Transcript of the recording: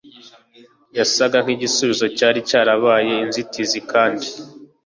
yasaga nkigisubizo cyari cyarabaye inzitizi kandi